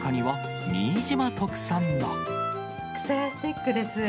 くさやスティックです。